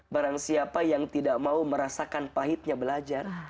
barang siapa yang tidak mau merasakan pahitnya belajar